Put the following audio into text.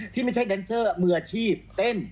ที่ไม่ใช่แดนเซอร์มืออาชีพเต้น